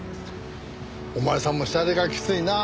お前さんもシャレがきついな。